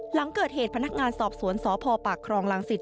หลังเกิดเหตุพนักงานสอบสวนสพปากครองรังสิต